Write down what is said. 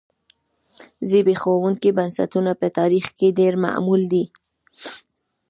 زبېښونکي بنسټونه په تاریخ کې ډېر معمول دي